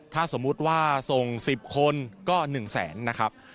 ถ้าสมมุติว่าส่ง๑๐คนก็๑แสนนะครับ